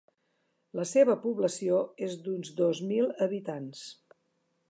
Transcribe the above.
La seva població és d'uns dos mil habitants.